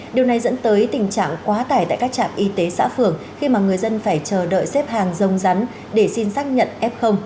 điều này dẫn tới tình trạng quá tải tại các trạm y tế xã phường khi mà người dân phải chờ đợi xếp hàng dông rắn để xin xác nhận f